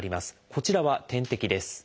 こちらは点滴です。